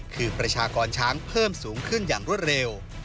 คือประชากรช้างเพิ่มสูงขึ้นอย่างรวดเร็ว